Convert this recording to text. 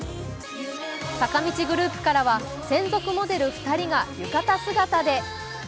坂道グループからは専属モデル２人が浴衣姿で。